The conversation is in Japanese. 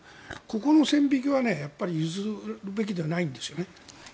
ここの線引きは譲るべきではないんですね。